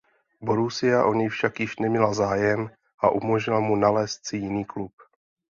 Borussia o něj však již neměla zájem a umožnila mu nalézt si jiný klub.